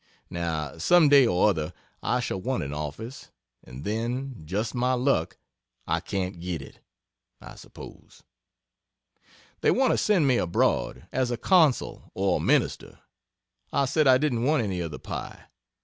Now, some day or other I shall want an office and then, just my luck, I can't get it, I suppose. They want to send me abroad, as a Consul or a Minister. I said I didn't want any of the pie.